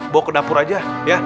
bawa ke dapur aja ya